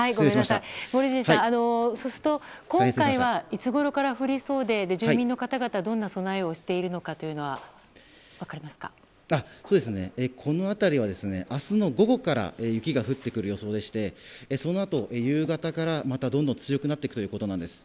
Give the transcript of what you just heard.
森尻さん、そうすると今回はいつごろから降りそうで、住民の方々はどんな備えをしているかこの辺りは明日の午後から雪が降ってくる予想でしてそのあと夕方から、どんどん強くなっていくということです。